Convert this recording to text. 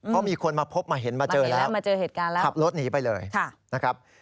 เพราะมีคนมาพบมาเห็นมาเจอแล้วขับรถหนีไปเลยนะครับ